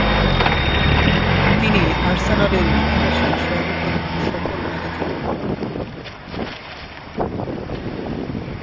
তিনি আর্সেনালের ইতিহাসের সর্বপ্রথম সফল ম্যানেজার।